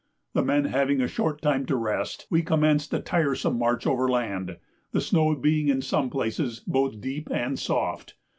The men having had a short time to rest, we commenced a tiresome march over land, the snow being in some places both deep and soft.